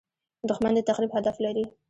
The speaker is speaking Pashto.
دښمن د تخریب هدف لري